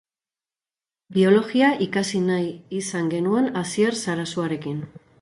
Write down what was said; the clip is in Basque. Biologia ikasi nahi izan genuen Asier Sarasuarekin.